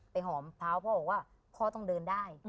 ไปหอมเท้าเพราะว่าพ่อต้องเดินได้